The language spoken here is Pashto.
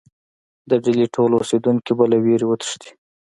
د ډهلي ټول اوسېدونکي به له وېرې وتښتي.